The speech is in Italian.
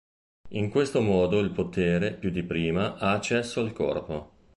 In questo modo il potere, più di prima, ha accesso al corpo.